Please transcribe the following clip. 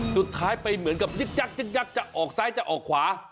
สุดท้ายไปเหมือนกับจะออกซ้ายจะออกขวา